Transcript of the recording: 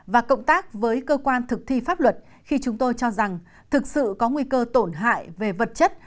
và cộng tác với cơ quan thực thi pháp luật khi chúng tôi cho rằng thực sự có nguy cơ tổn hại về vật chất